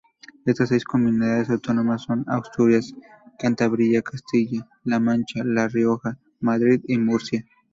Estas seis comunidades autónomas son: Asturias, Cantabria, Castilla-La Mancha, La Rioja, Madrid y Murcia.